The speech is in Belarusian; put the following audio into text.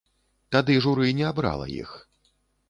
Тады журы не абрала іх.